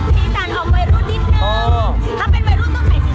อีสานออกไวรูดนิดนึง